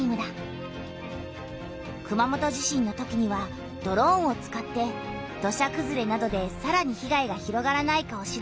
熊本地震のときにはドローンを使って土砂くずれなどでさらに被害が広がらないかを調べたんだ。